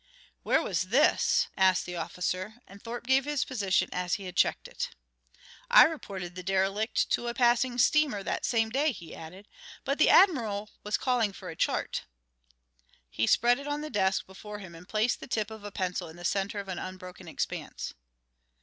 "Where was this?" asked the officer, and Thorpe gave his position as he had checked it. "I reported the derelict to a passing steamer that same day," he added, but the Admiral was calling for a chart. He spread it on the desk before him and placed the tip of a pencil in the center of an unbroken expanse.